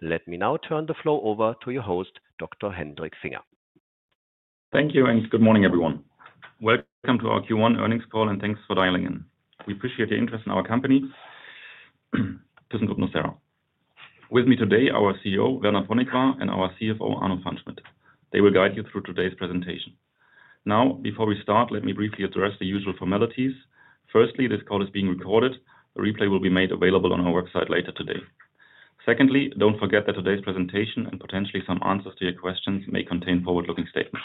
Let me now turn the floor over to your host, Dr. Hendrik Finger. Thank you, and good morning, everyone. Welcome to our Q1 earnings call, and thanks for dialing in. We appreciate your interest in our company. Grüß Gott, Nucera. With me today, our CEO, Werner Ponikwar, and our CFO, Arno Pfannschmidt. They will guide you through today's presentation. Now, before we start, let me briefly address the usual formalities. Firstly, this call is being recorded. The replay will be made available on our website later today. Secondly, don't forget that today's presentation and potentially some answers to your questions may contain forward-looking statements.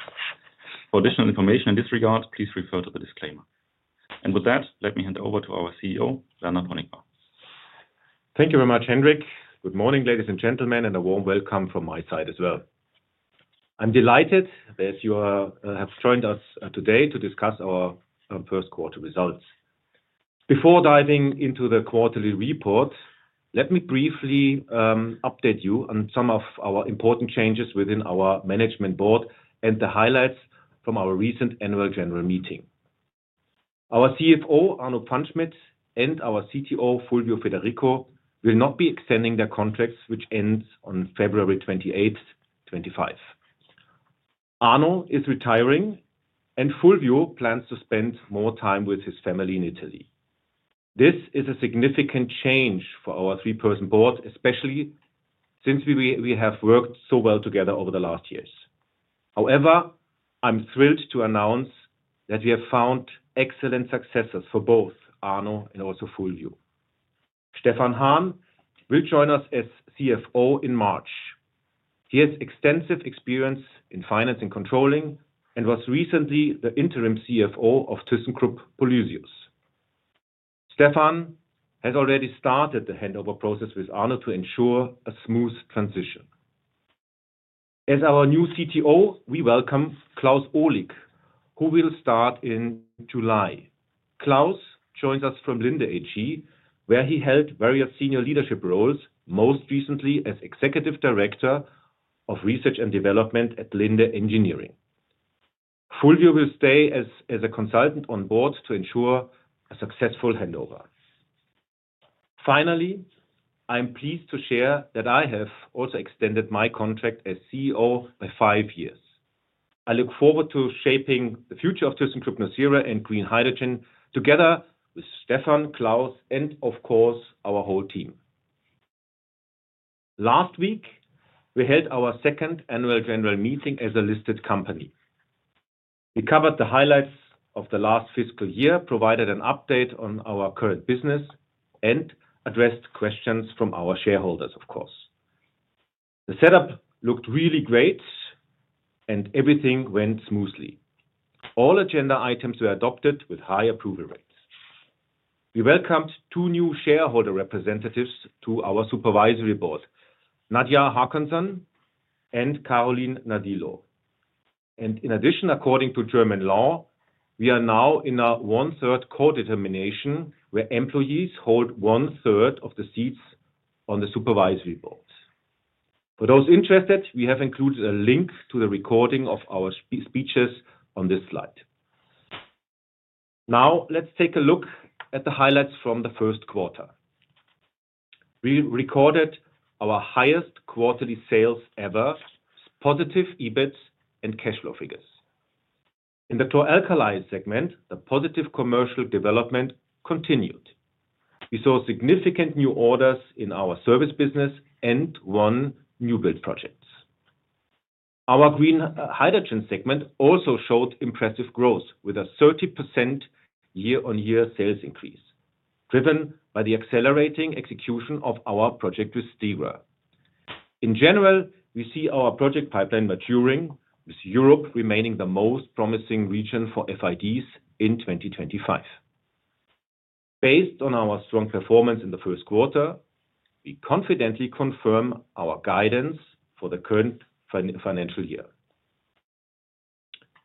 For additional information in this regard, please refer to the disclaimer, and with that, let me hand over to our CEO, Werner Ponikwar. Thank you very much, Hendrik. Good morning, ladies and gentlemen, and a warm welcome from my side as well. I'm delighted that you have joined us today to discuss our first quarter results. Before diving into the quarterly report, let me briefly update you on some of our important changes within our management board and the highlights from our recent annual general meeting. Our CFO, Arno Pfannschmidt, and our CTO, Fulvio Federico, will not be extending their contracts, which end on February 28th, 2025. Arno is retiring, and Fulvio plans to spend more time with his family in Italy. This is a significant change for our three-person board, especially since we have worked so well together over the last years. However, I'm thrilled to announce that we have found excellent successors for both Arno and also Fulvio. Stefan Hahn will join us as CFO in March. He has extensive experience in finance and controlling and was recently the interim CFO of thyssenkrupp Polysius. Stefan has already started the handover process with Arno to ensure a smooth transition. As our new CTO, we welcome Klaus Ohlig, who will start in July. Klaus joins us from Linde AG, where he held various senior leadership roles, most recently as executive director of research and development at Linde Engineering. Fulvio will stay as a consultant on board to ensure a successful handover. Finally, I'm pleased to share that I have also extended my contract as CEO by five years. I look forward to shaping the future of thyssenkrupp nucera and green hydrogen together with Stefan, Klaus, and, of course, our whole team. Last week, we held our second annual general meeting as a listed company. We covered the highlights of the last fiscal year, provided an update on our current business, and addressed questions from our shareholders, of course. The setup looked really great, and everything went smoothly. All agenda items were adopted with high approval rates. We welcomed two new shareholder representatives to our supervisory board, Nadja Håkansson and Carolin Nadilo, and in addition, according to German law, we are now in a one-third co-determination where employees hold one-third of the seats on the supervisory board. For those interested, we have included a link to the recording of our speeches on this slide. Now, let's take a look at the highlights from the first quarter. We recorded our highest quarterly sales ever, positive EBIT and cash flow figures. In the chlor-alkali segment, the positive commercial development continued. We saw significant new orders in our service business and one new build project. Our green hydrogen segment also showed impressive growth with a 30% year-on-year sales increase, driven by the accelerating execution of our project with Stegra. In general, we see our project pipeline maturing, with Europe remaining the most promising region for FIDs in 2025. Based on our strong performance in the first quarter, we confidently confirm our guidance for the current financial year.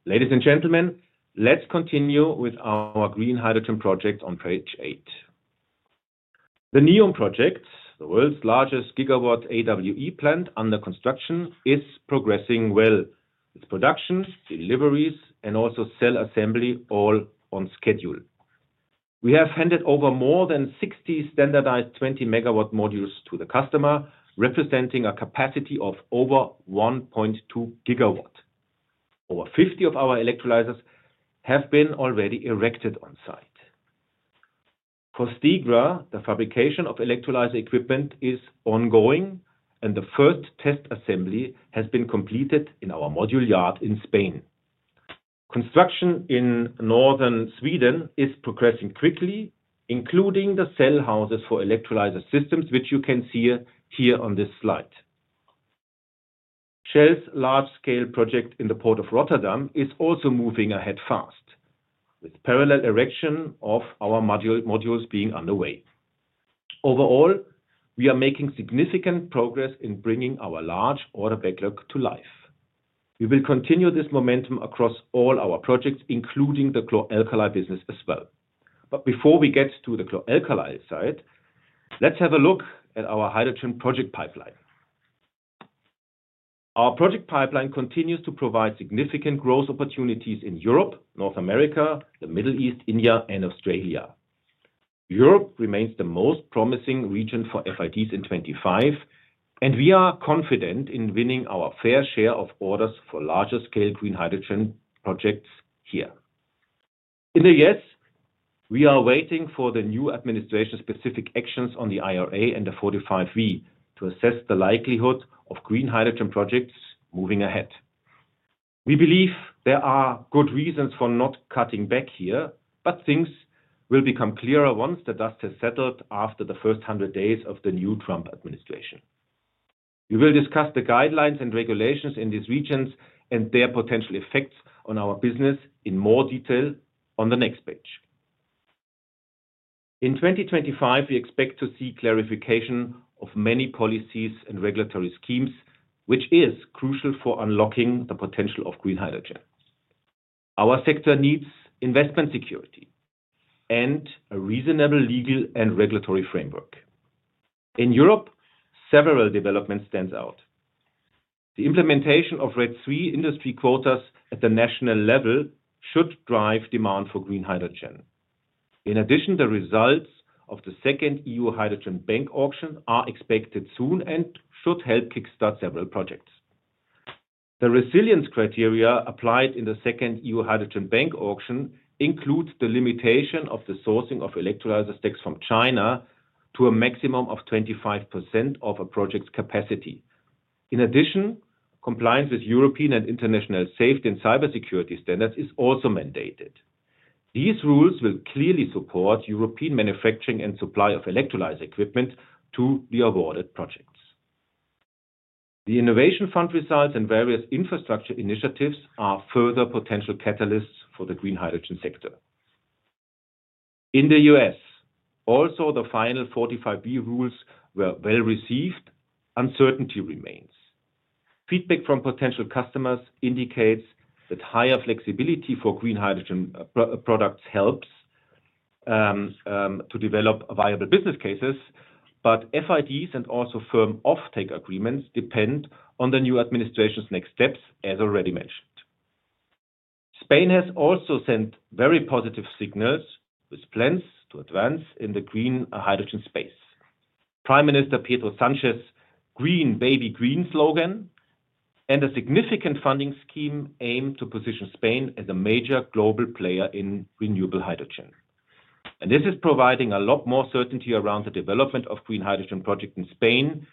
Ladies and gentlemen, let's continue with our green hydrogen project on page eight. The NEOM project, the world's largest gigawatt AWE plant under construction, is progressing well with production, deliveries, and also cell assembly, all on schedule. We have handed over more than 60 standardized 20 MW modules to the customer, representing a capacity of over 1.2 GW. Over 50 of our electrolyzers have been already erected on site. For Stegra, the fabrication of electrolyzer equipment is ongoing, and the first test assembly has been completed in our module yard in Spain. Construction in northern Sweden is progressing quickly, including the cell houses for electrolyzer systems, which you can see here on this slide. Shell's large-scale project in the port of Rotterdam is also moving ahead fast, with parallel erection of our modules being underway. Overall, we are making significant progress in bringing our large order backlog to life. We will continue this momentum across all our projects, including the chlor-alkali business as well. But before we get to the chlor-alkali side, let's have a look at our hydrogen project pipeline. Our project pipeline continues to provide significant growth opportunities in Europe, North America, the Middle East, India, and Australia. Europe remains the most promising region for FIDs in 2025, and we are confident in winning our fair share of orders for larger-scale green hydrogen projects here. In the U.S., we are waiting for the new administration-specific actions on the IRA and the 45V to assess the likelihood of green hydrogen projects moving ahead. We believe there are good reasons for not cutting back here, but things will become clearer once the dust has settled after the first 100 days of the new Trump administration. We will discuss the guidelines and regulations in these regions and their potential effects on our business in more detail on the next page. In 2025, we expect to see clarification of many policies and regulatory schemes, which is crucial for unlocking the potential of green hydrogen. Our sector needs investment security and a reasonable legal and regulatory framework. In Europe, several developments stand out. The implementation of RED III industry quotas at the national level should drive demand for green hydrogen. In addition, the results of the second EU Hydrogen Bank auction are expected soon and should help kickstart several projects. The resilience criteria applied in the second EU Hydrogen Bank auction include the limitation of the sourcing of electrolyzer stacks from China to a maximum of 25% of a project's capacity. In addition, compliance with European and international safety and cybersecurity standards is also mandated. These rules will clearly support European manufacturing and supply of electrolyzer equipment to the awarded projects. The Innovation Fund results and various infrastructure initiatives are further potential catalysts for the green hydrogen sector. In the U.S., although the final 45V rules were well received, uncertainty remains. Feedback from potential customers indicates that higher flexibility for green hydrogen products helps to develop viable business cases, but FIDs and also firm offtake agreements depend on the new administration's next steps, as already mentioned. Spain has also sent very positive signals with plans to advance in the green hydrogen space. Prime Minister Pedro Sánchez's green baby green slogan and a significant funding scheme aim to position Spain as a major global player in renewable hydrogen. And this is providing a lot more certainty around the development of green hydrogen projects in Spain,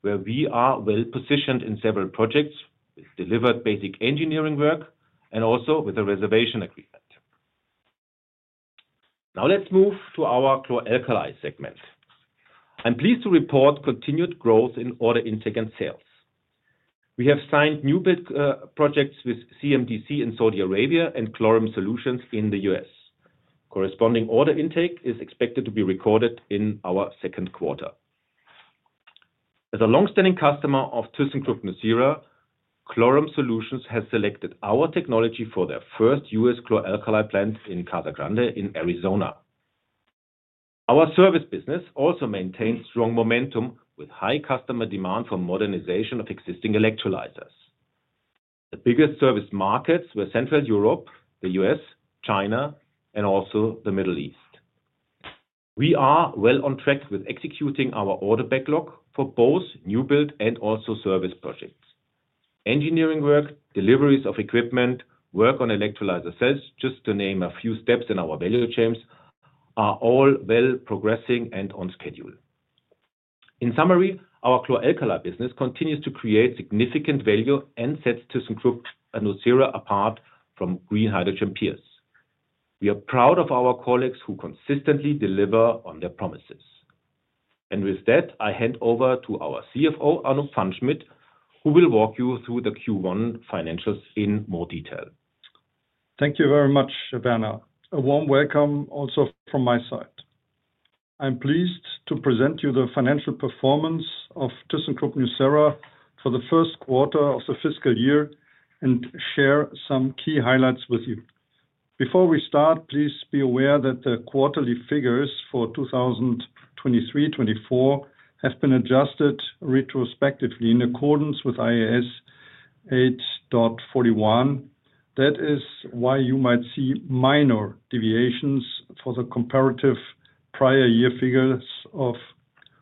where we are well positioned in several projects with delivered basic engineering work and also with a reservation agreement. Now let's move to our chlor-alkali segment. I'm pleased to report continued growth in order intake and sales. We have signed new build projects with CDC in Saudi Arabia and Chlorum Solutions in the U.S.. Corresponding order intake is expected to be recorded in our second quarter. As a long-standing customer of thyssenkrupp nucera, Chlorum Solutions has selected our technology for their first U.S. chlor-alkali plant in Casa Grande in Arizona. Our service business also maintains strong momentum with high customer demand for modernization of existing electrolyzers. The biggest service markets were Central Europe, the U.S., China, and also the Middle East. We are well on track with executing our order backlog for both new build and also service projects. Engineering work, deliveries of equipment, work on electrolyzer cells, just to name a few steps in our value chains, are all well progressing and on schedule. In summary, our chlor-alkali business continues to create significant value and sets thyssenkrupp nucera apart from green hydrogen peers. We are proud of our colleagues who consistently deliver on their promises. With that, I hand over to our CFO, Arno Pfannschmidt, who will walk you through the Q1 financials in more detail. Thank you very much, Werner. A warm welcome also from my side. I'm pleased to present you the financial performance of thyssenkrupp nucera for the first quarter of the fiscal year and share some key highlights with you. Before we start, please be aware that the quarterly figures for 2023-24 have been adjusted retrospectively in accordance with IAS 8.41. That is why you might see minor deviations for the comparative prior year figures of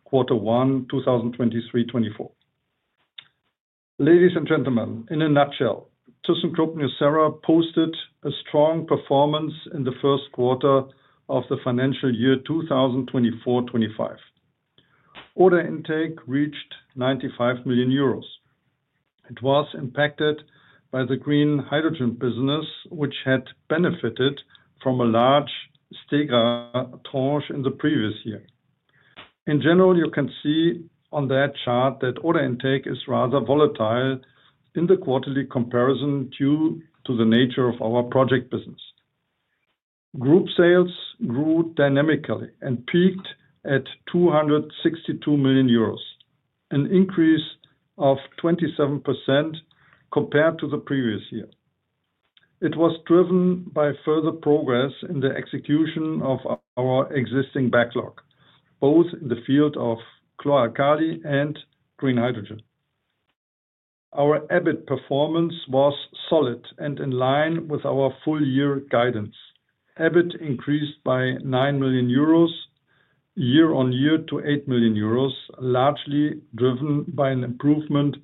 quarter one, 2023-2024. Ladies and gentlemen, in a nutshell, thyssenkrupp nucera posted a strong performance in the first quarter of the financial year 2024-2025. Order intake reached 95 million euros. It was impacted by the green hydrogen business, which had benefited from a large Stegra tranche in the previous year. In general, you can see on that chart that order intake is rather volatile in the quarterly comparison due to the nature of our project business. Group sales grew dynamically and peaked at 262 million euros, an increase of 27% compared to the previous year. It was driven by further progress in the execution of our existing backlog, both in the field of chlor-alkali and green hydrogen. Our EBIT performance was solid and in line with our full-year guidance. EBIT increased by 9 million euros year-on-year to 8 million euros, largely driven by an improvement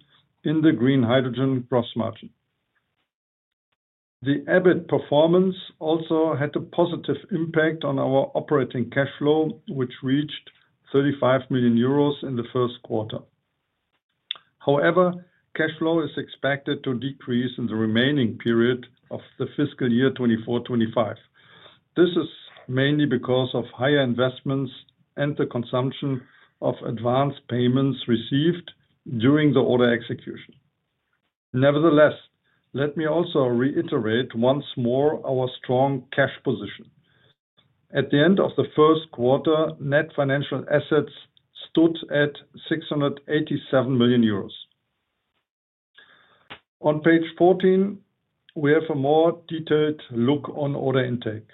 in the green hydrogen gross margin. The EBIT performance also had a positive impact on our operating cash flow, which reached 35 million euros in the first quarter. However, cash flow is expected to decrease in the remaining period of the fiscal year 2024-2025. This is mainly because of higher investments and the consumption of advance payments received during the order execution. Nevertheless, let me also reiterate once more our strong cash position. At the end of the first quarter, net financial assets stood at 687 million euros. On page 14, we have a more detailed look on order intake.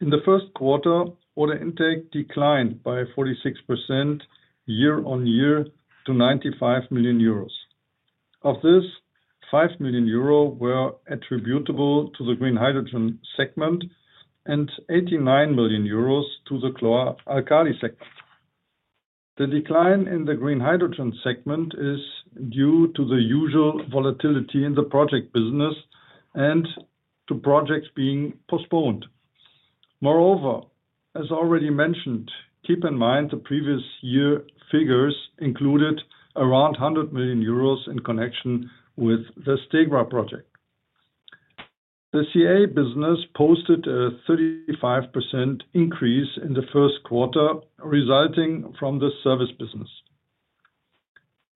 In the first quarter, order intake declined by 46% year-on-year to 95 million euros. Of this, 5 million euro were attributable to the green hydrogen segment and 89 million euros to the chlor-alkali segment. The decline in the green hydrogen segment is due to the usual volatility in the project business and to projects being postponed. Moreover, as already mentioned, keep in mind the previous year figures included around 100 million euros in connection with the Stegra project. The CA business posted a 35% increase in the first quarter, resulting from the service business.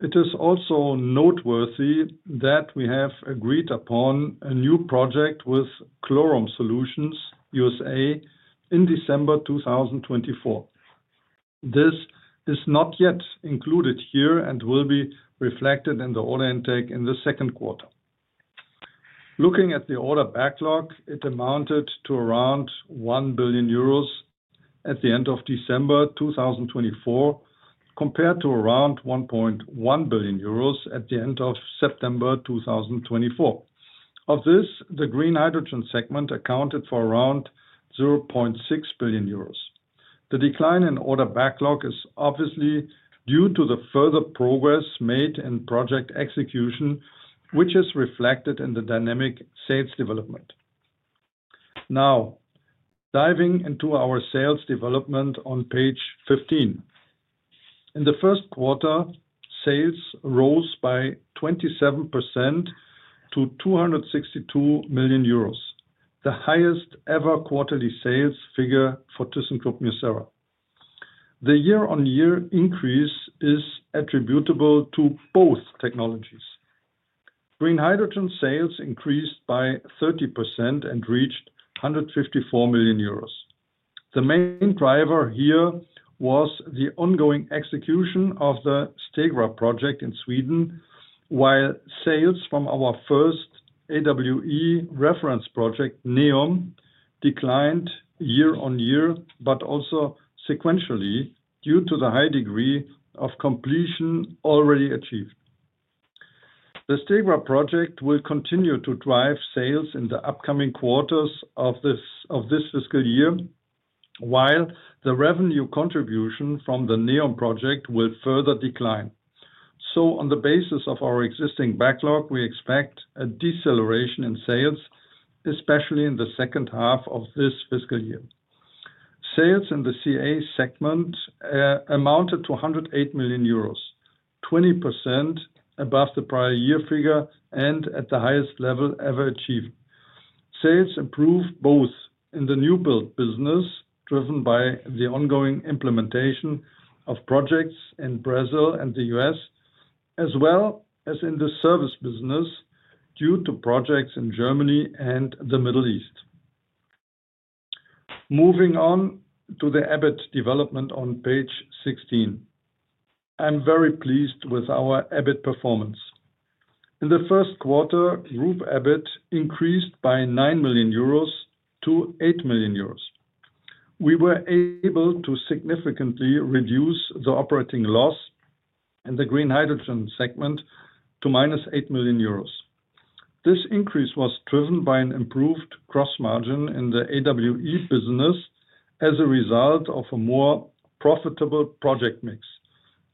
It is also noteworthy that we have agreed upon a new project with Chlorum Solutions in December 2024. This is not yet included here and will be reflected in the order intake in the second quarter. Looking at the order backlog, it amounted to around 1 billion euros at the end of December 2024, compared to around 1.1 billion euros at the end of September 2024. Of this, the green hydrogen segment accounted for around 0.6 billion euros. The decline in order backlog is obviously due to the further progress made in project execution, which is reflected in the dynamic sales development. Now, diving into our sales development on page 15. In the first quarter, sales rose by 27% to 262 million euros, the highest ever quarterly sales figure for thyssenkrupp nucera. The year-on-year increase is attributable to both technologies. Green hydrogen sales increased by 30% and reached 154 million euros. The main driver here was the ongoing execution of the H2 Green Steel project in Sweden, while sales from our first AWE reference project, NEOM, declined year-on-year, but also sequentially due to the high degree of completion already achieved. The H2 Green Steel project will continue to drive sales in the upcoming quarters of this fiscal year, while the revenue contribution from the NEOM project will further decline. So, on the basis of our existing backlog, we expect a deceleration in sales, especially in the second half of this fiscal year. Sales in the CA segment amounted to 108 million euros, 20% above the prior year figure and at the highest level ever achieved. Sales improved both in the new build business, driven by the ongoing implementation of projects in Brazil and the U.S., as well as in the service business due to projects in Germany and the Middle East. Moving on to the EBIT development on page 16. I'm very pleased with our EBIT performance. In the first quarter, group EBIT increased by 9 million-8 million euros. We were able to significantly reduce the operating loss in the green hydrogen segment to -8 million euros. This increase was driven by an improved gross margin in the AWE business as a result of a more profitable project mix.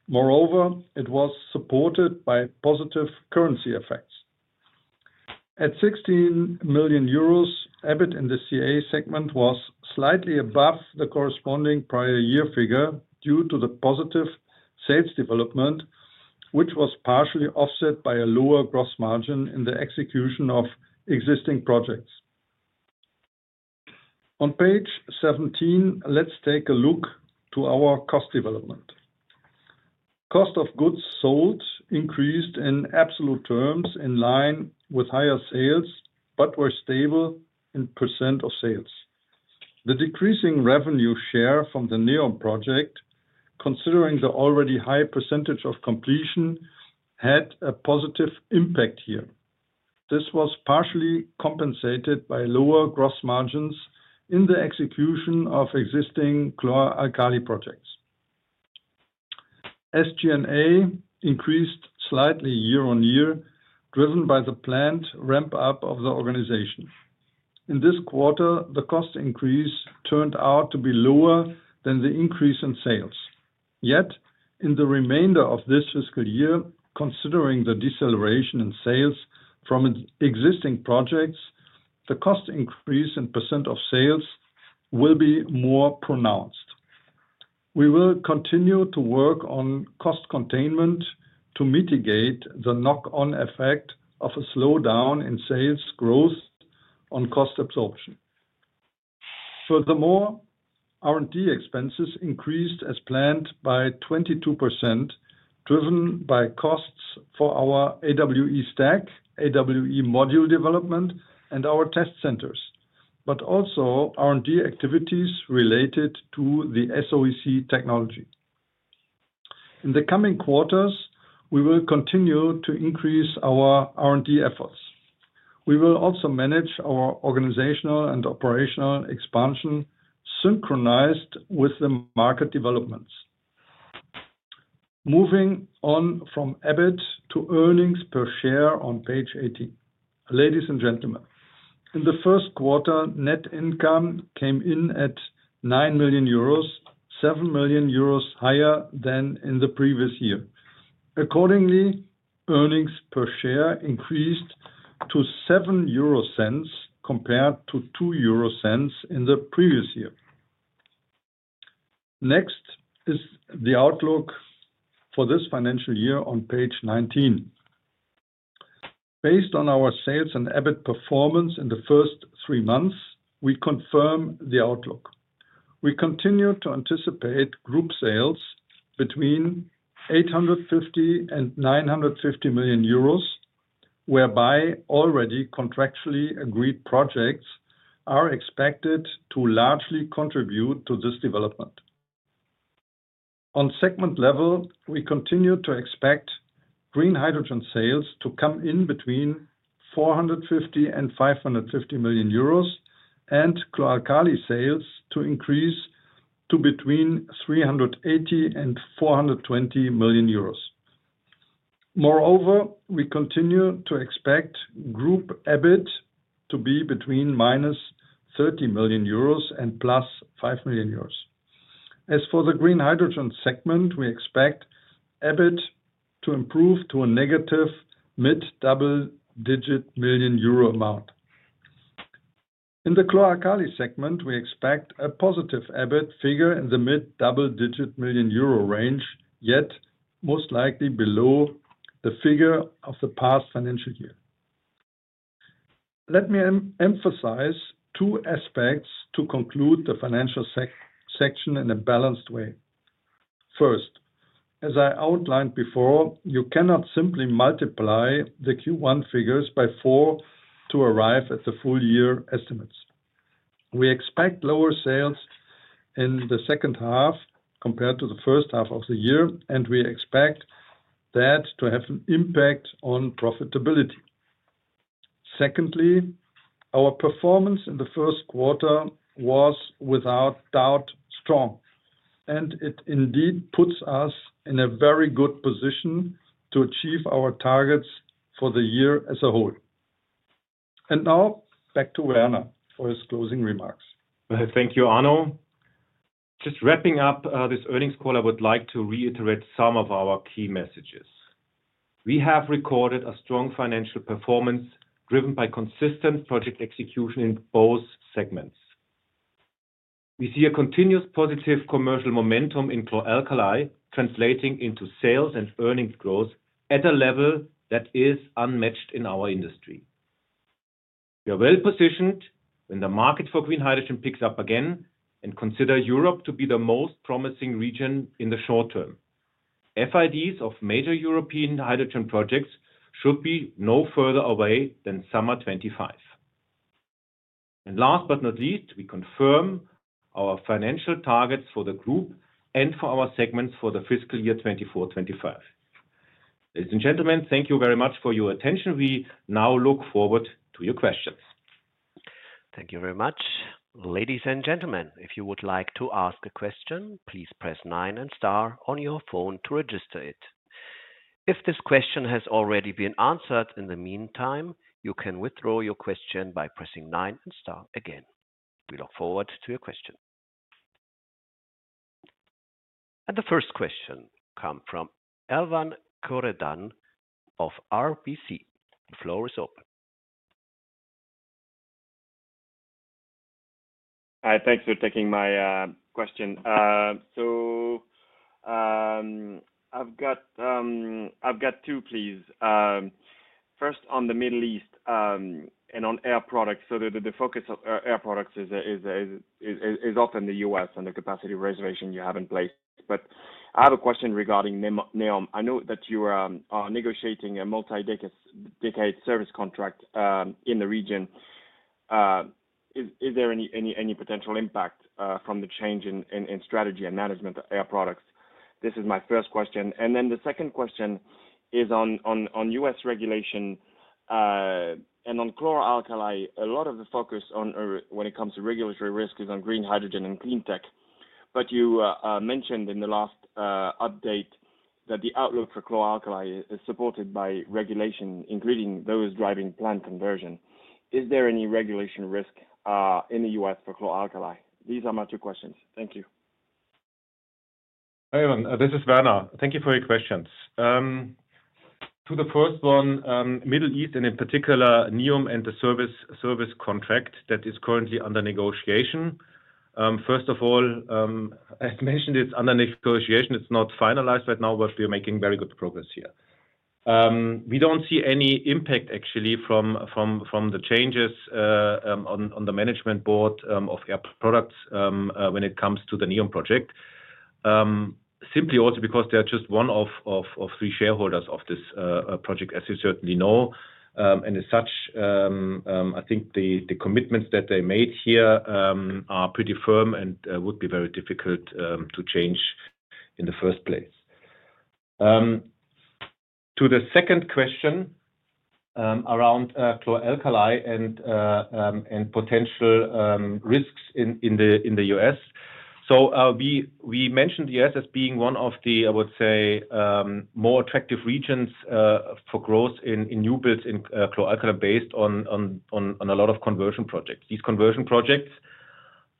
Moreover, it was supported by positive currency effects. At 16 million euros, EBIT in the CA segment was slightly above the corresponding prior year figure due to the positive sales development, which was partially offset by a lower gross margin in the execution of existing projects. On page 17, let's take a look at our cost development. Cost of goods sold increased in absolute terms in line with higher sales, but were stable in percent of sales. The decreasing revenue share from the NEOM project, considering the already high percentage of completion, had a positive impact here. This was partially compensated by lower gross margins in the execution of existing chlor-alkali projects. SG&A increased slightly year-on-year, driven by the planned ramp-up of the organization. In this quarter, the cost increase turned out to be lower than the increase in sales. Yet, in the remainder of this fiscal year, considering the deceleration in sales from existing projects, the cost increase in percent of sales will be more pronounced. We will continue to work on cost containment to mitigate the knock-on effect of a slowdown in sales growth on cost absorption. Furthermore, R&D expenses increased as planned by 22%, driven by costs for our AWE stack, AWE module development, and our test centers, but also R&D activities related to the SOEC technology. In the coming quarters, we will continue to increase our R&D efforts. We will also manage our organizational and operational expansion synchronized with the market developments. Moving on from EBIT to earnings per share on page 18. Ladies and gentlemen, in the first quarter, net income came in at 9 million euros, 7 million euros higher than in the previous year. Accordingly, earnings per share increased to EUR 0.07 compared to 0.02 in the previous year. Next is the outlook for this financial year on page 19. Based on our sales and EBIT performance in the first three months, we confirm the outlook. We continue to anticipate group sales between 850 million and 950 million euros, whereby already contractually agreed projects are expected to largely contribute to this development. On segment level, we continue to expect green hydrogen sales to come in between 450 and 550 million euros and chlor-alkali sales to increase to between 380 million and 420 million euros. Moreover, we continue to expect group EBIT to be between -30 million euros and +5 million euros. As for the green hydrogen segment, we expect EBIT to improve to a negative mid-double-digit million euro amount. In the chlor-alkali segment, we expect a positive EBIT figure in the mid-double-digit million euro range, yet most likely below the figure of the past financial year. Let me emphasize two aspects to conclude the financial section in a balanced way. First, as I outlined before, you cannot simply multiply the Q1 figures by four to arrive at the full-year estimates. We expect lower sales in the second half compared to the first half of the year, and we expect that to have an impact on profitability. Secondly, our performance in the first quarter was without doubt strong, and it indeed puts us in a very good position to achieve our targets for the year as a whole. And now back to Werner for his closing remarks. Thank you, Arno. Just wrapping up this earnings call, I would like to reiterate some of our key messages. We have recorded a strong financial performance driven by consistent project execution in both segments. We see a continuous positive commercial momentum in chlor-alkali translating into sales and earnings growth at a level that is unmatched in our industry. We are well positioned when the market for green hydrogen picks up again and consider Europe to be the most promising region in the short term. FIDs of major European hydrogen projects should be no further away than summer 2025, and last but not least, we confirm our financial targets for the group and for our segments for the fiscal year 2024-2025. Ladies and gentlemen, thank you very much for your attention. We now look forward to your questions. Thank you very much. Ladies and gentlemen, if you would like to ask a question, please press nine and star on your phone to register it. If this question has already been answered in the meantime, you can withdraw your question by pressing nine and star again. We look forward to your question, and the first question comes from Erwan Kerouredan of RBC. The floor is open. Hi, thanks for taking my question. So I've got two, please. First, on the Middle East and on Air Products, so the focus of Air Products is often the U.S. and the capacity reservation you have in place. But I have a question regarding NEOM. I know that you are negotiating a multi-decade service contract in the region. Is there any potential impact from the change in strategy and management of Air Products? This is my first question. And then the second question is on U.S. regulation. And on chlor-alkali, a lot of the focus when it comes to regulatory risk is on green hydrogen and clean tech. But you mentioned in the last update that the outlook for chlor-alkali is supported by regulation, including those driving plant conversion. Is there any regulation risk in the U.S. for chlor-alkali? These are my two questions. Thank you. Hi, everyone. This is Werner. Thank you for your questions. To the first one, Middle East and in particular NEOM and the service contract that is currently under negotiation. First of all, as mentioned, it's under negotiation. It's not finalized right now, but we are making very good progress here. We don't see any impact, actually, from the changes on the management board of Air Products when it comes to the NEOM project. Simply also because they are just one of three shareholders of this project, as you certainly know. And as such, I think the commitments that they made here are pretty firm and would be very difficult to change in the first place. To the second question around chlor-alkali and potential risks in the U.S.. We mentioned the U.S. as being one of the, I would say, more attractive regions for growth in new builds in chlor-alkali based on a lot of conversion projects. These conversion projects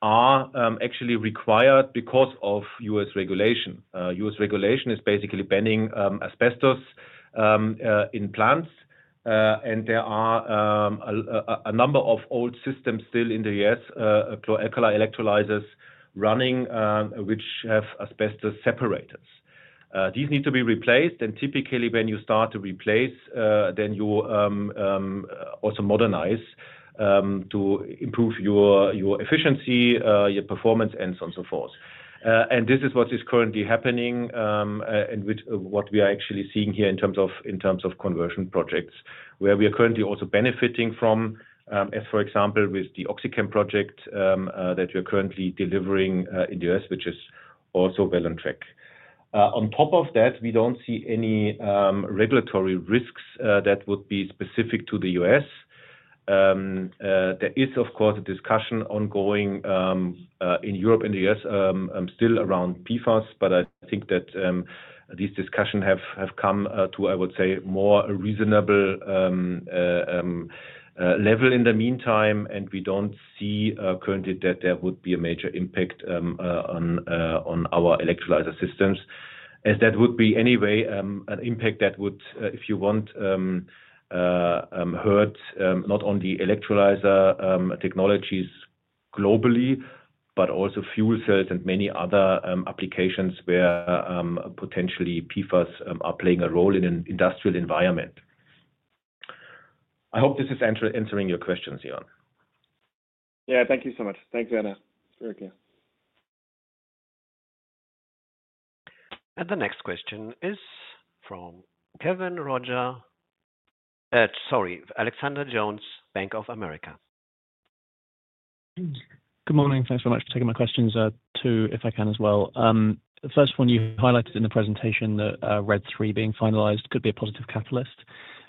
are actually required because of U.S. regulation. U.S. regulation is basically banning asbestos in plants, and there are a number of old systems still in the U.S., chlor-alkali electrolyzers running, which have asbestos separators. These need to be replaced, and typically when you start to replace, then you also modernize to improve your efficiency, your performance, and so on and so forth. And this is what is currently happening and what we are actually seeing here in terms of conversion projects, where we are currently also benefiting from, as for example, with the OxyChem project that we are currently delivering in the U.S., which is also well on track. On top of that, we don't see any regulatory risks that would be specific to the U.S. There is, of course, a discussion ongoing in Europe and the U.S. still around PFAS, but I think that these discussions have come to, I would say, more reasonable level in the meantime, and we don't see currently that there would be a major impact on our electrolyzer systems, as that would be anyway an impact that would, if you want, hurt not only electrolyzer technologies globally, but also fuel cells and many other applications where potentially PFAS are playing a role in an industrial environment. I hope this is answering your questions, Erwan. Yeah, thank you so much. Thanks, Werner. It's very clear. And the next question is from Kevin Roger. Sorry, Alexander Jones, Bank of America. Good morning. Thanks so much for taking my questions too, if I can as well. The first one you highlighted in the presentation, the RED III being finalized, could be a positive catalyst.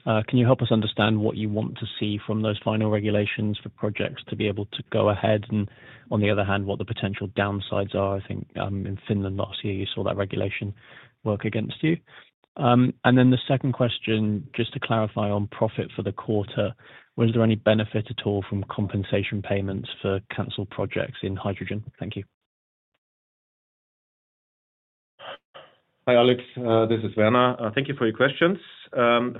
Can you help us understand what you want to see from those final regulations for projects to be able to go ahead? And on the other hand, what the potential downsides are, I think in Finland last year, you saw that regulation work against you. And then the second question, just to clarify on profit for the quarter, was there any benefit at all from compensation payments for canceled projects in hydrogen? Thank you. Hi, Alex. This is Werner. Thank you for your questions.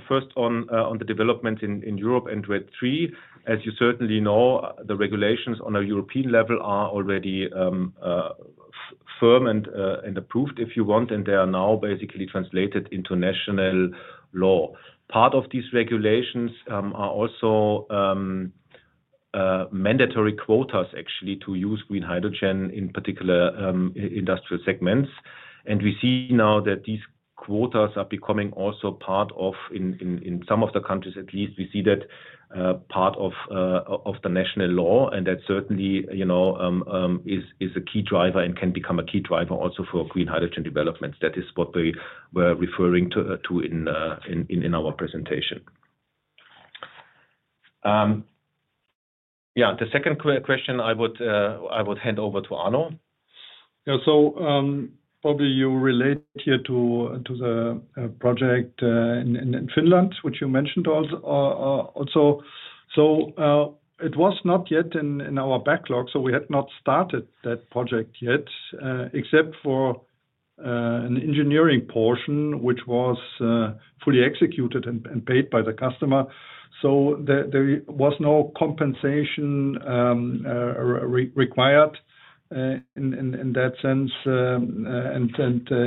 First, on the developments in Europe and RED III, as you certainly know, the regulations on a European level are already firm and approved, if you want, and they are now basically translated into national law. Part of these regulations are also mandatory quotas, actually, to use green hydrogen in particular industrial segments. And we see now that these quotas are becoming also part of, in some of the countries at least, we see that part of the national law, and that certainly is a key driver and can become a key driver also for green hydrogen developments. That is what we were referring to in our presentation. Yeah, the second question, I would hand over to Arno. So probably you relate here to the project in Finland, which you mentioned also. So it was not yet in our backlog, so we had not started that project yet, except for an engineering portion, which was fully executed and paid by the customer. So there was no compensation required in that sense.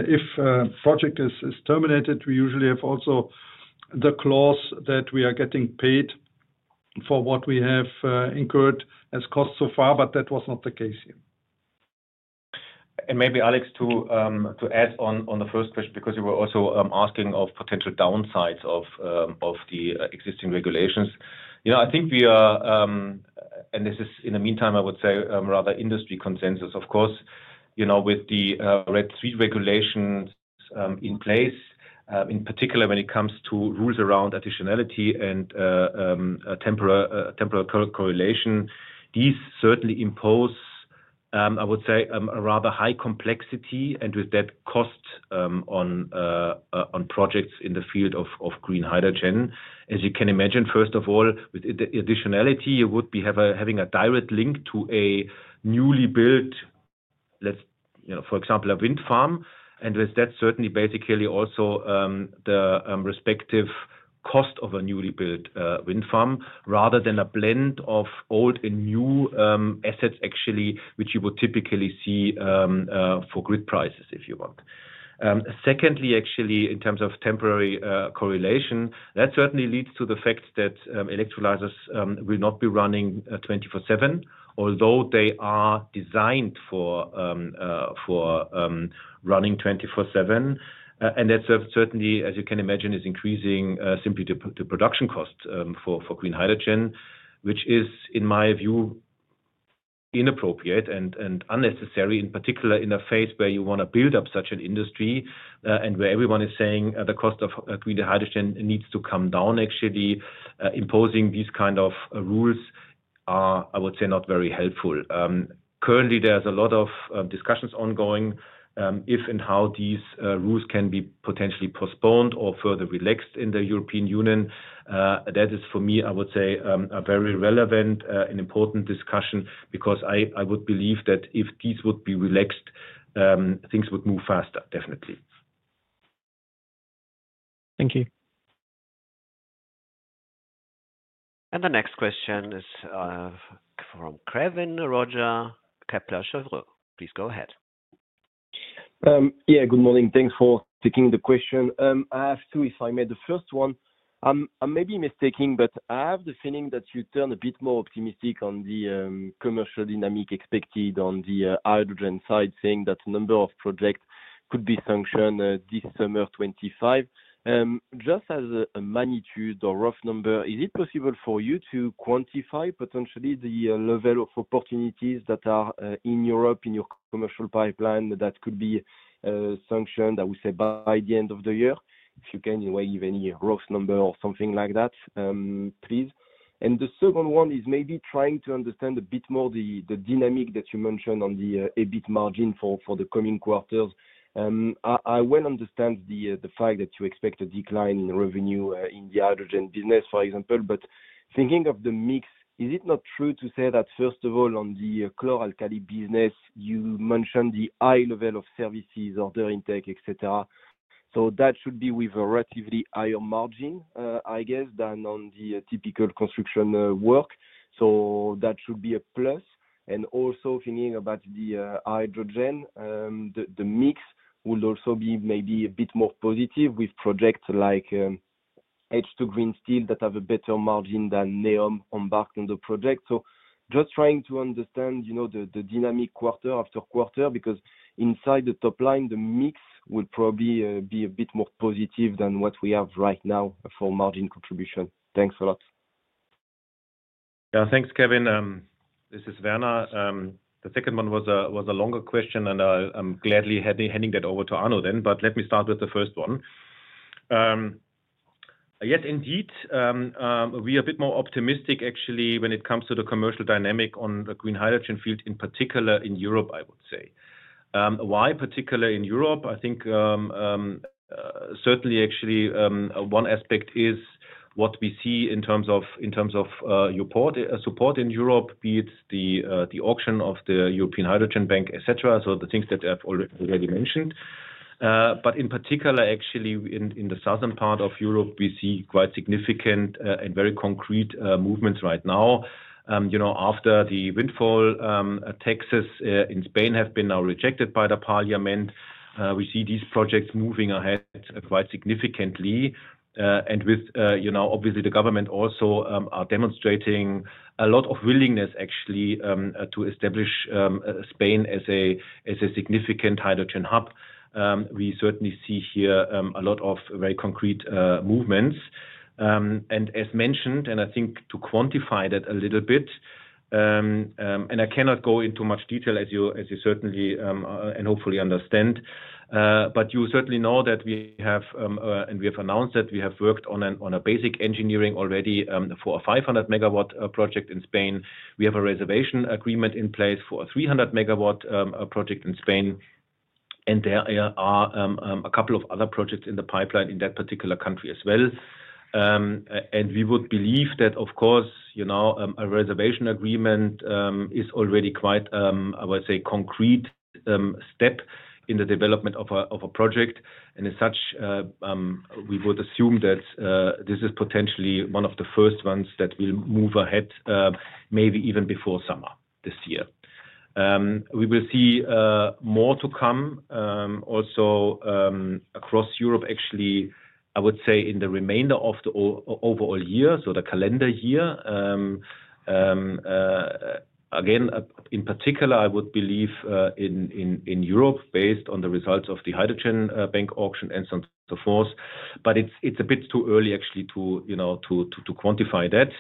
If a project is terminated, we usually have also the clause that we are getting paid for what we have incurred as costs so far, but that was not the case here. Maybe, Alex, to add on the first question, because you were also asking of potential downsides of the existing regulations. I think we are, and this is in the meantime, I would say, rather industry consensus, of course, with the RED III regulations in place, in particular when it comes to rules around additionality and temporal correlation. These certainly impose, I would say, a rather high complexity and with that cost on projects in the field of green hydrogen. As you can imagine, first of all, with additionality, you would be having a direct link to a newly built, for example, a wind farm. With that, certainly basically also the respective cost of a newly built wind farm, rather than a blend of old and new assets, actually, which you would typically see for grid prices, if you want. Secondly, actually, in terms of temporal correlation, that certainly leads to the fact that electrolyzers will not be running 24/7, although they are designed for running 24/7. That certainly, as you can imagine, is increasing simply the production cost for green hydrogen, which is, in my view, inappropriate and unnecessary, in particular in a phase where you want to build up such an industry and where everyone is saying the cost of green hydrogen needs to come down, actually. Imposing these kinds of rules are, I would say, not very helpful. Currently, there's a lot of discussions ongoing if and how these rules can be potentially postponed or further relaxed in the European Union. That is, for me, I would say, a very relevant and important discussion because I would believe that if these would be relaxed, things would move faster, definitely. Thank you. And the next question is from Kevin Roger, Kepler Cheuvreux. Please go ahead. Yeah, good morning. Thanks for taking the question. I have two, if I may, the first one. I may be mistaken, but I have the feeling that you turn a bit more optimistic on the commercial dynamic expected on the hydrogen side, saying that a number of projects could be sanctioned this summer 2025. Just as a magnitude or rough number, is it possible for you to quantify potentially the level of opportunities that are in Europe in your commercial pipeline that could be sanctioned, I would say, by the end of the year? If you can, you may give any rough number or something like that, please. And the second one is maybe trying to understand a bit more the dynamic that you mentioned on the EBIT margin for the coming quarters. I well understand the fact that you expect a decline in revenue in the hydrogen business, for example, but thinking of the mix, is it not true to say that, first of all, on the chlor-alkali business, you mentioned the high level of services, order intake, etc.? So that should be with a relatively higher margin, I guess, than on the typical construction work. So that should be a plus. And also thinking about the hydrogen, the mix would also be maybe a bit more positive with projects like H2 Green Steel that have a better margin than NEOM embarked on the project. So just trying to understand the dynamic quarter after quarter because inside the top line, the mix would probably be a bit more positive than what we have right now for margin contribution. Thanks a lot. Yeah, thanks, Kevin. This is Werner. The second one was a longer question, and I'm gladly handing that over to Arno then, but let me start with the first one. Yes, indeed, we are a bit more optimistic, actually, when it comes to the commercial dynamic on the green hydrogen field, in particular in Europe, I would say. Why particular in Europe? I think certainly, actually, one aspect is what we see in terms of your support in Europe, be it the auction of the European Hydrogen Bank, etc., so the things that I've already mentioned. But in particular, actually, in the southern part of Europe, we see quite significant and very concrete movements right now. After the windfall taxes in Spain have now been rejected by the Parliament. We see these projects moving ahead quite significantly. With, obviously, the government also demonstrating a lot of willingness, actually, to establish Spain as a significant hydrogen hub, we certainly see here a lot of very concrete movements. And as mentioned, I think to quantify that a little bit. I cannot go into much detail, as you certainly and hopefully understand, but you certainly know that we have and we have announced that we have worked on a basic engineering already for a 500 MW project in Spain. We have a reservation agreement in place for a 300 MW project in Spain. And there are a couple of other projects in the pipeline in that particular country as well. And we would believe that, of course, a reservation agreement is already quite, I would say, concrete step in the development of a project. And as such, we would assume that this is potentially one of the first ones that will move ahead, maybe even before summer this year. We will see more to come also across Europe, actually, I would say, in the remainder of the overall year, so the calendar year. Again, in particular, I would believe in Europe based on the results of the Hydrogen Bank auction and so on and so forth. But it's a bit too early, actually, to quantify that.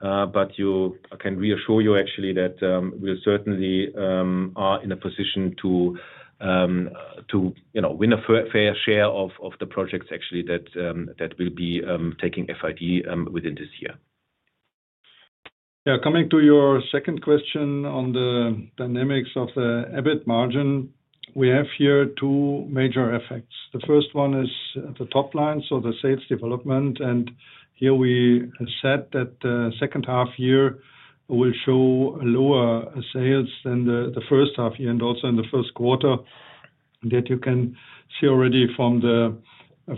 But I can reassure you, actually, that we certainly are in a position to win a fair share of the projects, actually, that will be taking FID within this year. Yeah, coming to your second question on the dynamics of the EBIT margin, we have here two major effects. The first one is the top line, so the sales development. And here we said that the second half year will show lower sales than the first half year and also in the first quarter. That you can see already from the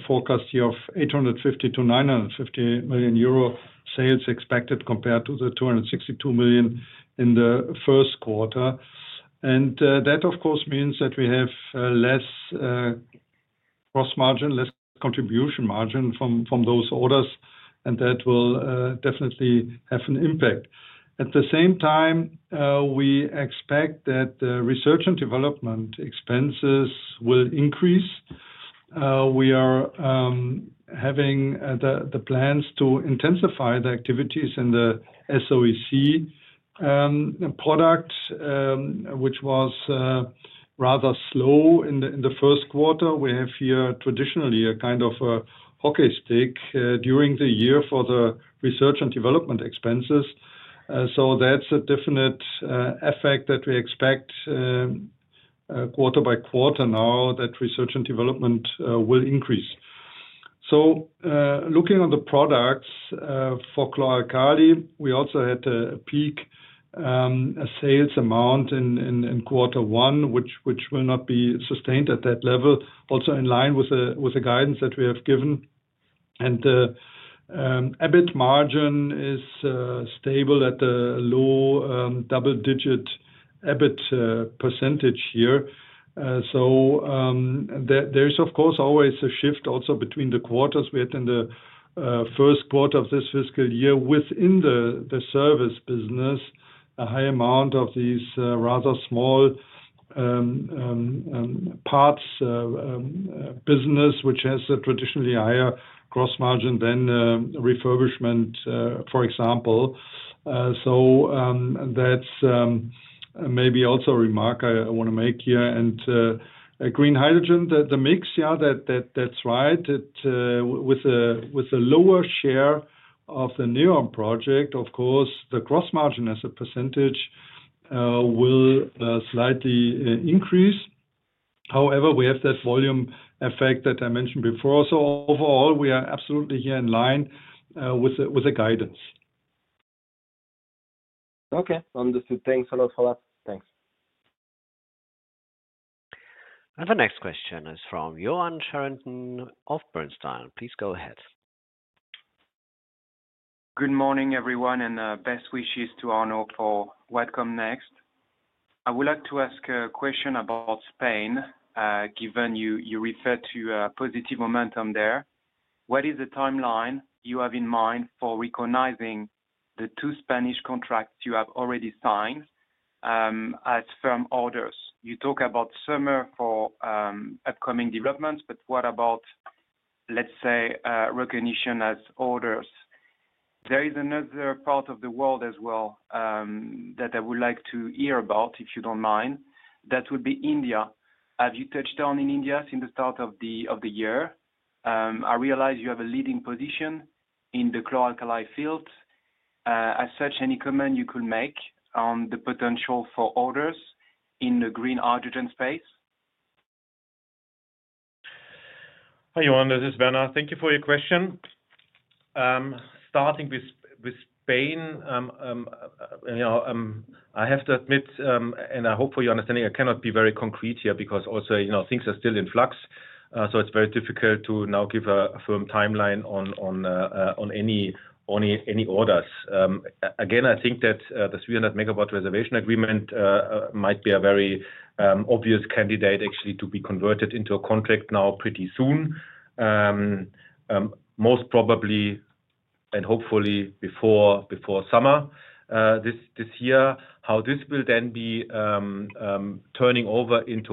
forecast year of 850 million-950 million euro sales expected compared to the 262 million in the first quarter, and that, of course, means that we have less gross margin, less contribution margin from those orders, and that will definitely have an impact. At the same time, we expect that the research and development expenses will increase. We are having the plans to intensify the activities in the SOEC product, which was rather slow in the first quarter. We have here traditionally a kind of a hockey stick during the year for the research and development expenses, so that's a definite effect that we expect quarter by quarter now that research and development will increase. So looking at the products for chlor-alkali, we also had a peak sales amount in quarter one, which will not be sustained at that level, also in line with the guidance that we have given. EBIT margin is stable at a low double-digit percentage here. So there is, of course, always a shift also between the quarters we had in the first quarter of this fiscal year within the service business, a high amount of these rather small parts business, which has traditionally a higher gross margin than refurbishment, for example. So that's maybe also a remark I want to make here. And green hydrogen, the mix, yeah, that's right. With a lower share of the NEOM project, of course, the gross margin as a percentage will slightly increase. However, we have that volume effect that I mentioned before. So overall, we are absolutely here in line with the guidance. Okay, understood. Thanks a lot for that. Thanks. And the next question is from Yoann Charenton of Bernstein. Please go ahead. Good morning, everyone, and best wishes to Arno for wedding next. I would like to ask a question about Spain, given you referred to a positive momentum there. What is the timeline you have in mind for recognizing the two Spanish contracts you have already signed as firm orders? You talk about summer for upcoming developments, but what about, let's say, recognition as orders? There is another part of the world as well that I would like to hear about, if you don't mind. That would be India. Have you touched on India since the start of the year? I realize you have a leading position in the chlor-alkali field. As such, any comment you could make on the potential for orders in the green hydrogen space? Hi, Yoann. This is Werner. Thank you for your question. Starting with Spain, I have to admit, and I hope for your understanding, I cannot be very concrete here because also things are still in flux. So it's very difficult to now give a firm timeline on any orders. Again, I think that the 300 MW reservation agreement might be a very obvious candidate, actually, to be converted into a contract now pretty soon, most probably and hopefully before summer this year. How this will then be turning over into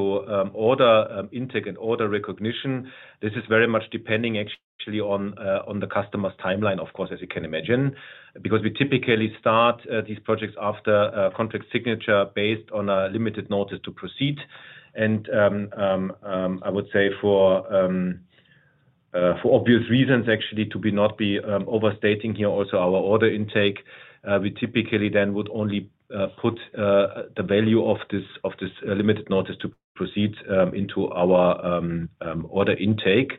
order intake and order recognition, this is very much depending, actually, on the customer's timeline, of course, as you can imagine, because we typically start these projects after contract signature based on a limited notice to proceed. I would say for obvious reasons, actually, to not be overstating here also our order intake, we typically then would only put the value of this limited notice to proceed into our order intake.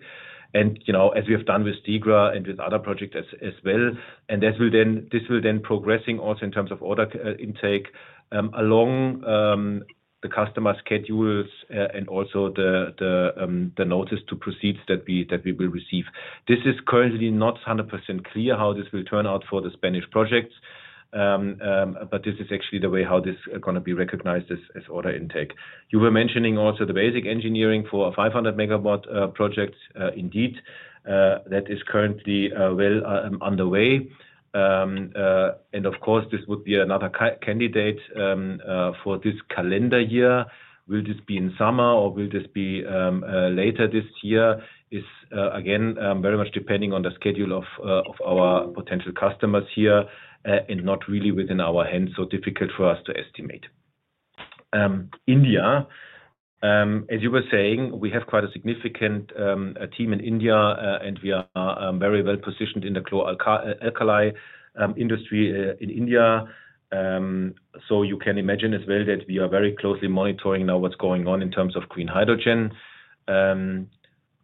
As we have done with Stegra and with other projects as well. This will then progressing also in terms of order intake along the customer schedules and also the notice to proceed that we will receive. This is currently not 100% clear how this will turn out for the Spanish projects, but this is actually the way how this is going to be recognized as order intake. You were mentioning also the basic engineering for a 500 MW project, indeed. That is currently well underway. Of course, this would be another candidate for this calendar year. Will this be in summer or will this be later this year? It's again very much depending on the schedule of our potential customers here and not really within our hands, so difficult for us to estimate. India, as you were saying, we have quite a significant team in India, and we are very well positioned in the chlor-alkali industry in India, so you can imagine as well that we are very closely monitoring now what's going on in terms of green hydrogen.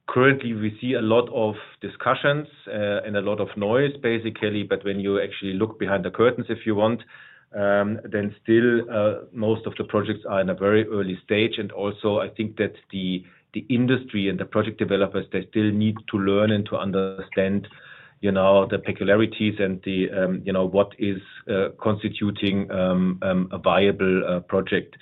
Currently, we see a lot of discussions and a lot of noise, basically. But when you actually look behind the curtains, if you want, then still most of the projects are in a very early stage, and also, I think that the industry and the project developers, they still need to learn and to understand the peculiarities and what is constituting a viable project,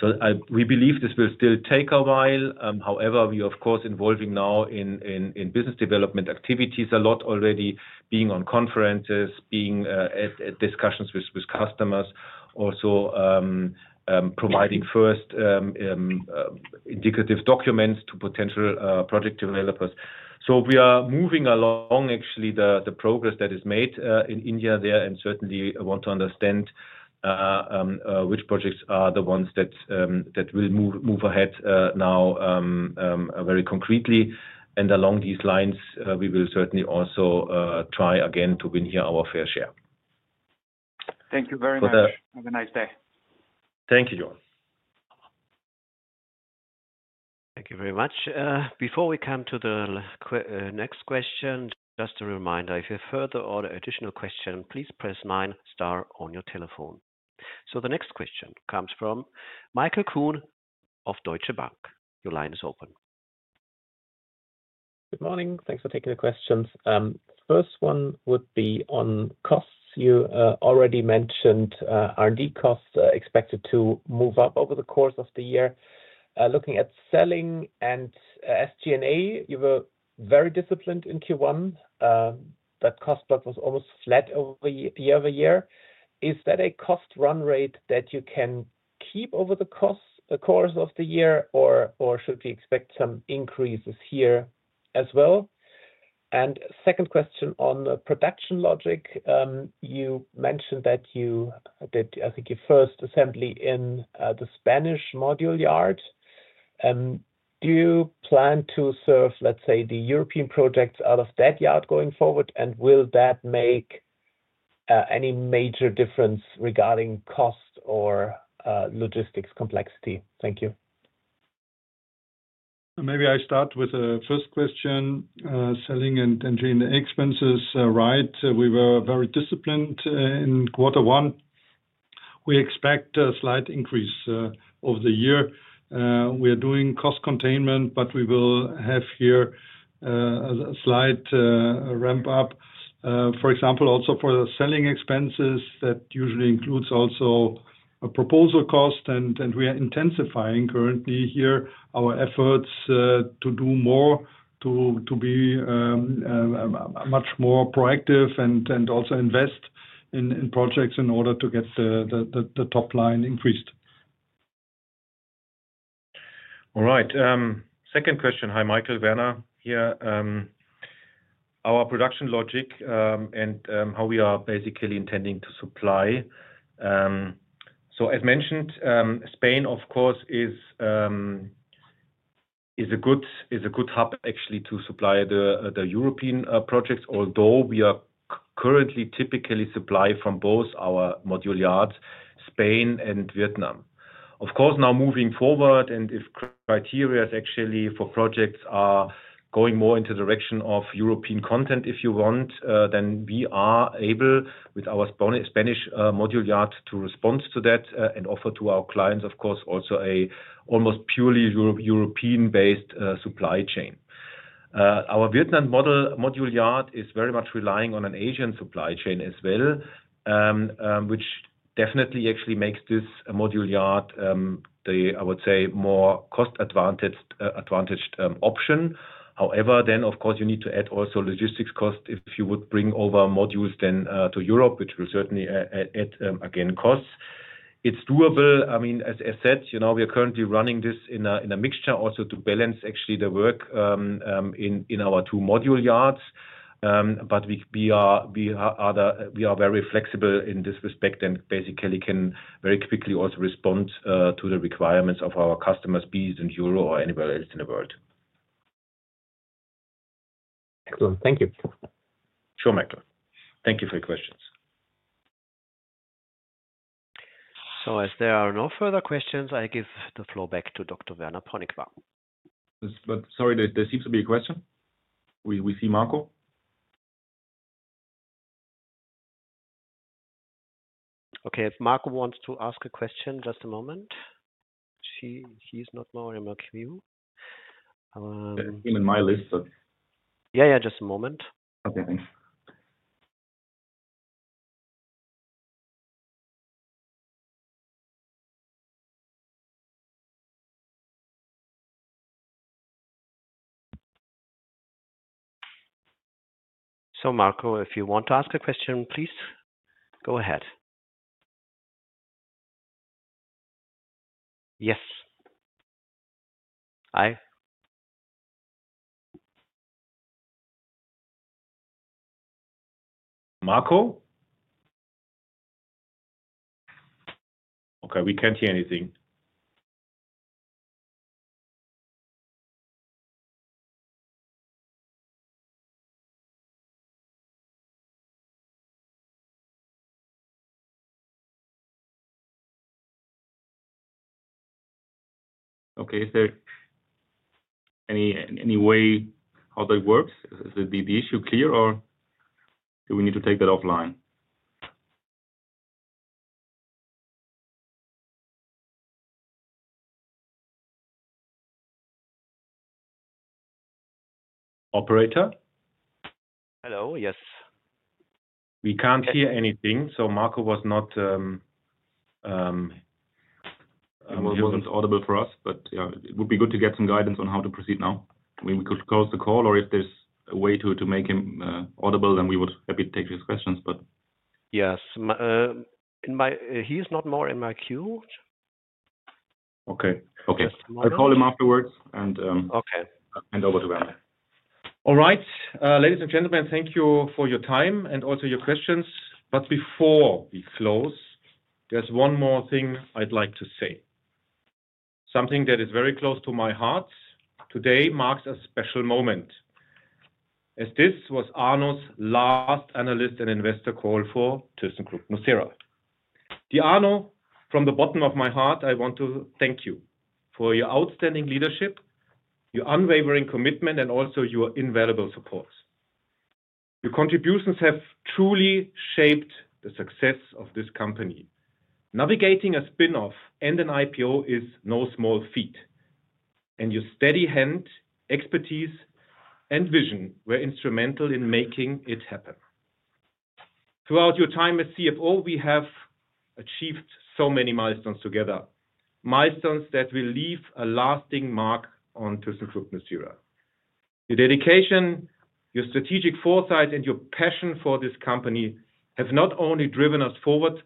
so we believe this will still take a while. However, we are, of course, involving now in business development activities a lot already, being on conferences, being at discussions with customers, also providing first indicative documents to potential project developers. So we are moving along, actually, the progress that is made in India there, and certainly want to understand which projects are the ones that will move ahead now very concretely. And along these lines, we will certainly also try again to win here our fair share. Thank you very much. Have a nice day. Thank you, Yoann. Thank you very much. Before we come to the next question, just a reminder, if you have further or additional questions, please press minus star on your telephone. So the next question comes from Michael Kuhn of Deutsche Bank. Your line is open. Good morning. Thanks for taking the questions. First one would be on costs. You already mentioned R&D costs expected to move up over the course of the year. Looking at selling and SG&A, you were very disciplined in Q1. That cost plug was almost flat over year over year. Is that a cost run rate that you can keep over the course of the year, or should we expect some increases here as well? And second question on production logic. You mentioned that you did, I think, your first assembly in the Spanish module yard. Do you plan to serve, let's say, the European projects out of that yard going forward? And will that make any major difference regarding cost or logistics complexity? Thank you. Maybe I start with the first question. Selling and engineering expenses, right? We were very disciplined in quarter one. We expect a slight increase over the year. We are doing cost containment, but we will have here a slight ramp up. For example, also for the selling expenses, that usually includes also a proposal cost. And we are intensifying currently here our efforts to do more, to be much more proactive and also invest in projects in order to get the top line increased. All right. Second question. Hi, Michael, Werner here. Our production logic and how we are basically intending to supply. So as mentioned, Spain, of course, is a good hub, actually, to supply the European projects, although we are currently typically supplied from both our module yards, Spain and Vietnam. Of course, now moving forward, and if criteria actually for projects are going more into the direction of European content, if you want, then we are able with our Spanish module yard to respond to that and offer to our clients, of course, also an almost purely European-based supply chain. Our Vietnam module yard is very much relying on an Asian supply chain as well, which definitely actually makes this module yard, I would say, a more cost-advantaged option. However, then, of course, you need to add also logistics costs if you would bring over modules then to Europe, which will certainly add, again, costs. It's doable. I mean, as I said, we are currently running this in a mixture also to balance actually the work in our two module yards. But we are very flexible in this respect and basically can very quickly also respond to the requirements of our customers, be it in Europe or anywhere else in the world. Excellent. Thank you. Sure, Michael. Thank you for your questions. So as there are no further questions, I give the floor back to Dr. Werner Ponikwar. Sorry, there seems to be a question. We see Marco. Okay, if Marco wants to ask a question, just a moment. He is not now in my queue. I have him in my list, but. Yeah, yeah, just a moment. Okay, thanks. So Marco, if you want to ask a question, please go ahead. Yes. Hi. Marco? Okay, we can't hear anything. Okay, is there any way how that works? Is the issue clear, or do we need to take that offline? Operator? Hello, yes. We can't hear anything, so Marco was not. He wasn't audible for us, but it would be good to get some guidance on how to proceed now. We could close the call, or if there's a way to make him audible, then we would be happy to take his questions, but. Yes. He is not more in my queue. Okay. Okay. I'll call him afterwards and hand over to Werner. All right. Ladies and gentlemen, thank you for your time and also your questions, but before we close, there's one more thing I'd like to say. Something that is very close to my heart. Today marks a special moment, as this was Arno's last analyst and investor call for thyssenkrupp nucera. Dear Arno, from the bottom of my heart, I want to thank you for your outstanding leadership, your unwavering commitment, and also your invaluable support. Your contributions have truly shaped the success of this company. Navigating a spinoff and an IPO is no small feat, and your steady hand, expertise, and vision were instrumental in making it happen. Throughout your time as CFO, we have achieved so many milestones together, milestones that will leave a lasting mark on thyssenkrupp nucera. Your dedication, your strategic foresight, and your passion for this company have not only driven us forward,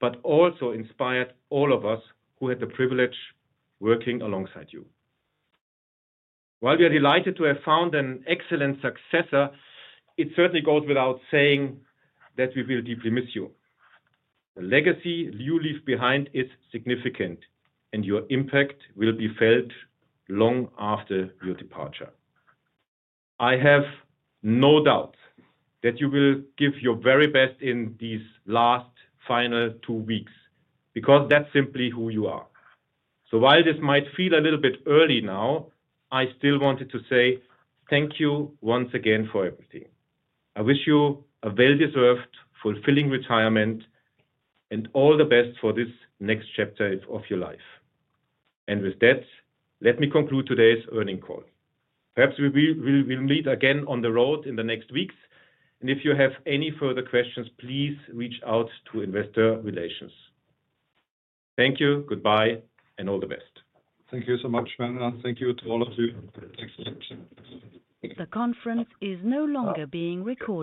but also inspired all of us who had the privilege working alongside you. While we are delighted to have found an excellent successor, it certainly goes without saying that we will deeply miss you. The legacy you leave behind is significant, and your impact will be felt long after your departure. I have no doubt that you will give your very best in these last final two weeks because that's simply who you are. So while this might feel a little bit early now, I still wanted to say thank you once again for everything. I wish you a well-deserved fulfilling retirement and all the best for this next chapter of your life. And with that, let me conclude today's earnings call. Perhaps we will meet again on the road in the next weeks. And if you have any further questions, please reach out to investor relations. Thank you. Goodbye and all the best. Thank you so much, Werner. Thank you to all of you. Thanks for the opportunity. The conference is no longer being recorded.